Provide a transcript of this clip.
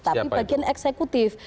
tapi bagian eksekutif